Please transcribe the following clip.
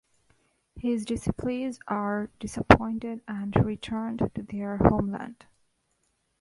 His disciples are disappointed and return to their homeland.